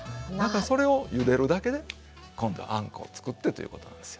それをゆでるだけで今度はあんこを作ってということなんですよ。